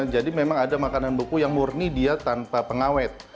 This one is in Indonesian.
jadi memang ada makanan beku yang murni dia tanpa pengawet